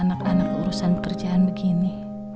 anak anak urusan pekerjaan begini